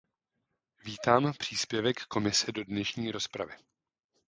Vítám příspěvek Komise do dnešní rozpravy.